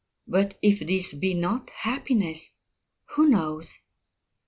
But if this be not happiness, who knows?